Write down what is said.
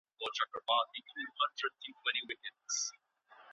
که لامل وموندل سي نو حل اسانه کیږي.